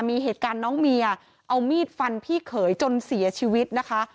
มีเหตุการณ์น้องเมียเอามีดฟันพี่เขยจนเสียชีวิตนะคะ